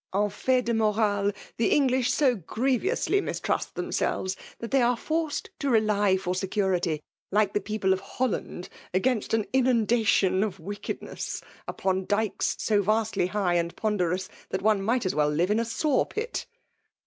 " En fait de mtyfale, the English so grievously mistrust themselves, that they are forced to rely for security, like the people of Holland, against an inundation of wicked ness, upon dykes so vastly high and pon derous, that one might as well live in a saw pit.